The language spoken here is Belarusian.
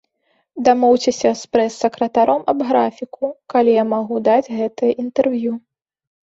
Дамоўцеся з прэс-сакратаром аб графіку, калі я магу даць гэта інтэрв'ю.